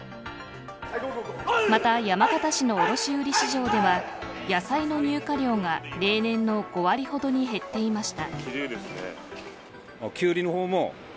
また山形市の卸売市場では野菜の入荷量が、例年の５割ほどに減っていました。